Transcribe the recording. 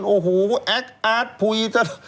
โอ้โหแอคอาร์ตพุย